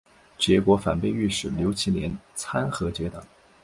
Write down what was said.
结果反被御史刘其年参劾结党。